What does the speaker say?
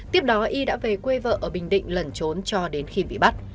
tiếp đó y đã về quê vợ ở bình định lẩn trốn cho đến khi bị bắt